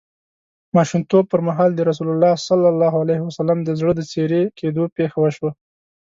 ماشومتوب پر مهال رسول الله ﷺ د زړه د څیری کیدو پېښه وشوه.